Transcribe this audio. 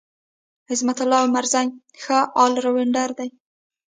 عظمت الله عمرزی ښه ال راونډر دی.